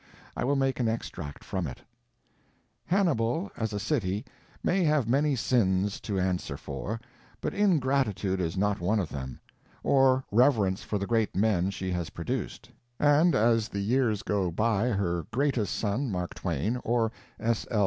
I will make an extract from it: Hannibal, as a city, may have many sins to answer for, but ingratitude is not one of them, or reverence for the great men she has produced, and as the years go by her greatest son, Mark Twain, or S. L.